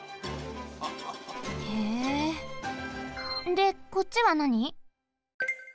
でこっちはなに？